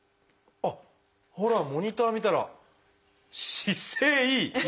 ほらモニター見たら姿勢いい！